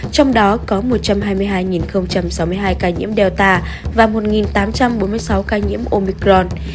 trong đó có một trăm hai mươi hai sáu mươi hai ca nhiễm delta và một tám trăm bốn mươi sáu ca nhiễm omicron